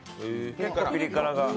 結構ピリ辛が。